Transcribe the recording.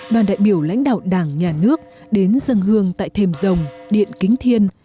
đoàn đại biểu lãnh đạo đảng nhà nước đến dân hương tại thềm rồng điện kính thiên